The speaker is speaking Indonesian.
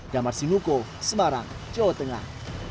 damar sinuko semarang jawa tengah